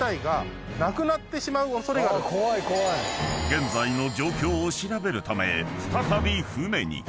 ［現在の状況を調べるため再び船に］